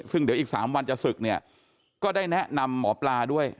ซึ่งเดี๋ยวอีก๓วันจะศึกเนี่ยก็ได้แนะนำหมอปลาด้วย